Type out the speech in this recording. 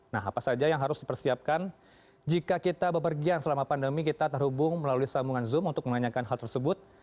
nah apa saja yang harus dipersiapkan jika kita bepergian selama pandemi kita terhubung melalui sambungan zoom untuk menanyakan hal tersebut